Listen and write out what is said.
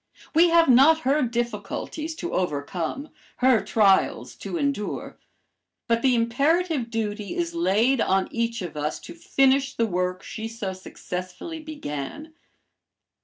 We have not her difficulties to overcome, her trials to endure, but the imperative duty is laid on each of us to finish the work she so successfully began.